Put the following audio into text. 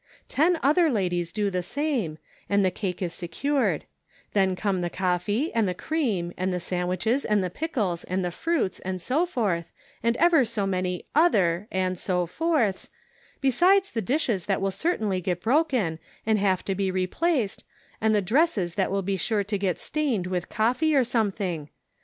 Ten other ladies do the same, and the cake is secured ; then come the coffee, and the cream, and the sandwiches, and the pickles, and the fruits, and so forth, and ever so many other 'and so forths,' besides the dishes that will certainly get broken and have to be re placed, and the dresses that will be sure to get stained with coffee or something.